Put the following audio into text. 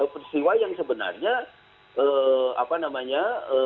peristiwa yang sebenarnya apa namanya